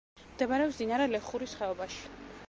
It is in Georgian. მდებარეობს მდინარე ლეხურის ხეობაში.